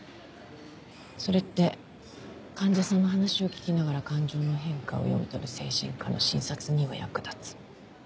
それって患者さんの話を聞きながら感情の変化を読み取る精神科の診察には役立つ。